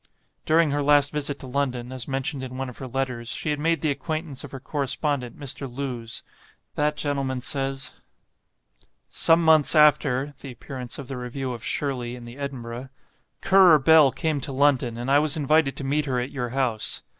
During her last visit to London, as mentioned in one of her letters, she had made the acquaintance of her correspondent, Mr. Lewes. That gentleman says: "Some months after" (the appearance of the review of "Shirley" in the Edinburgh), "Currer Bell came to London, and I was invited to meet her at your house.